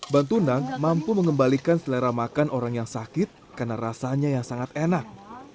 bantunang mampu mengembalikan selera makan orang yang sakit karena rasanya yang sangat enak